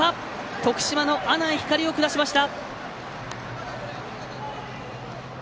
徳島の阿南光を下しました。